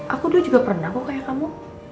aku dulu juga pernah kok kayak kamu